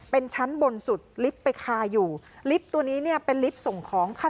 เป็นชั้นบนสุดลิฟต์ไปคาอยู่ลิฟต์ตัวนี้เนี่ยเป็นลิฟต์ส่งของค่ะ